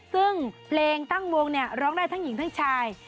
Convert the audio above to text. ซึ่งเพลงตั้งวงนี่ทั้งหญิงทั้งชาย